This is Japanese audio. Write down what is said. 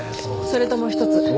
それともう一つ。